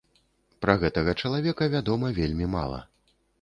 Пра гэтага чалавека вядома вельмі мала.